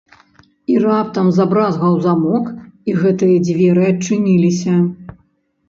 І раптам забразгаў замок, і гэтыя дзверы адчыніліся.